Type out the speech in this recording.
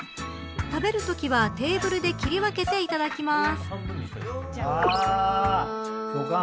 食べるときはテーブルで切り分けて、いただきます。